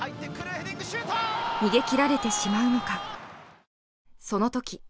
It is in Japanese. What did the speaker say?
逃げきられてしまうのかその時。